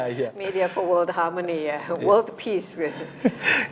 iya untuk kebahagiaan dunia ya kebahagiaan dunia